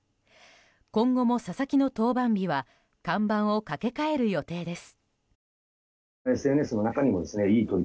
今後も佐々木の登板日は看板をかけ替える予定です。